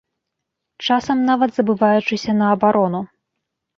Часам нават забываючыся на абарону.